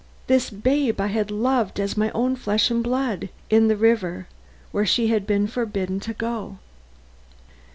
this babe I had loved as my own flesh and blood! in the river where she had been forbidden to go?"